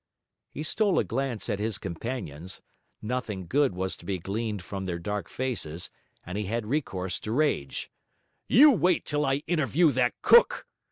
He stole a glance at his companions; nothing good was to be gleaned from their dark faces; and he had recourse to rage. 'You wait till I interview that cook!'